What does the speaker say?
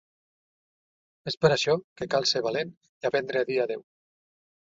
És per això que cal ser valent i aprendre a dir adéu.